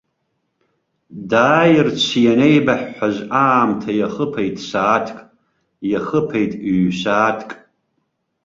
Дааирц ианеибаҳҳәаз аамҭа иахыԥеит сааҭк, иахыԥеит ҩ-сааҭк.